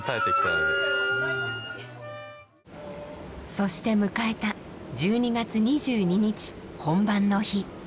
そして迎えた１２月２２日本番の日。